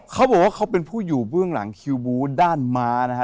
เขาบอกว่าเขาเป็นผู้อยู่เบื้องหลังคิวบูธด้านม้านะฮะ